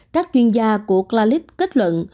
các chuyên gia của clalit kết luận